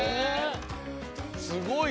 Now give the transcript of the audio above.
すごいな！